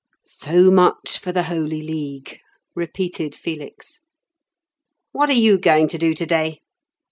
"So much for the Holy League," repeated Felix. "What are you going to do to day?"